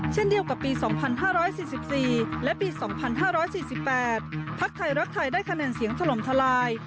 เช่นเดียวกับปี๒๕๔๔และปี๒๕๔๘พักไทยรักไทยได้คะแนนเสียงถล่มทลาย